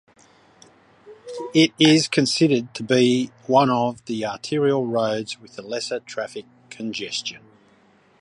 It is considered to be one of the arterial roads with lesser traffic congestion.